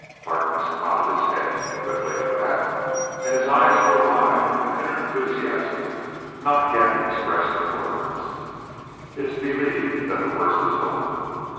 Harkness nodded his head quickly at that, and his eyes were alive with an inner enthusiasm not yet expressed in words. "It is believed that the worst is over.